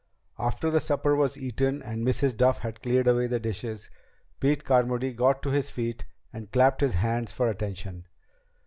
After the supper was eaten and Mrs. Duff had cleared away the dishes, Pete Carmody got to his feet and clapped his hands for attention.